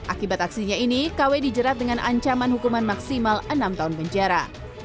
akibat aksinya ini kw dijerat dengan ancaman hukuman maksimal enam tahun penjara